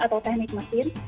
atau teknik mesin